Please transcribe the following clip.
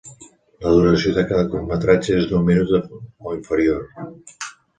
La duració de cada curtmetratge és d'un minut o inferior.